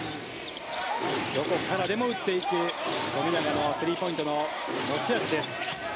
どこからでも打っていく富永のスリーポイントの持ち味です。